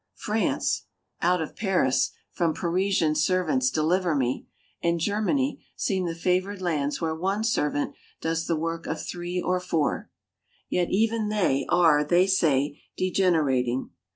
France (out of Paris, from Parisian servants deliver me!) and Germany seem the favored lands where one servant does the work of three or four. Yet even they, are, they say, degenerating.